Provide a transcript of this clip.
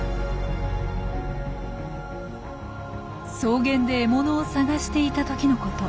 草原で獲物を探していた時のこと。